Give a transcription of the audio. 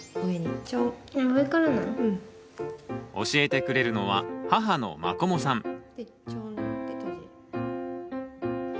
教えてくれるのは母のマコモさん。